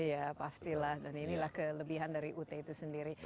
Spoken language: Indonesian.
iya pastilah dan inilah kelebihan dari ut itu sendiri